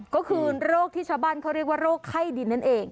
ก็คือโรคที่ชาวบ้านเขาเรียกว่าโรคไข้ดินนั่นเอง